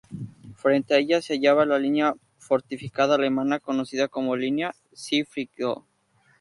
Frente a ella se hallaba la línea fortificada alemana conocida como línea Sigfrido.